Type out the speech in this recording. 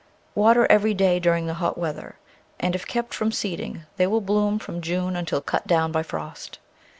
Water every day during the hot weather, and if kept from seeding they will bloom from June until cut down by frost.